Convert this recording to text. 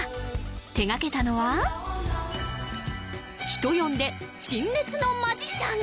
手がけたのは人呼んで「陳列のマジシャン」